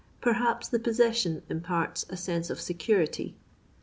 Perhaps the possession imparts a sense of security.